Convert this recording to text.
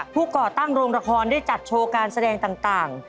ก่อตั้งโรงละครได้จัดโชว์การแสดงต่าง